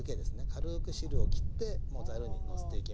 軽く汁をきってもうざるにのせていきます。